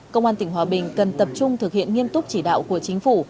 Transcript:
công an tỉnh hòa bình cần tập trung thực hiện nghiêm túc chỉ đạo của chính phủ